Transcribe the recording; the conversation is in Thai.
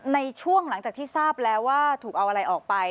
ในช่วงหลังจากที่ทราบแล้วว่าถูกเอาอะไรออกไป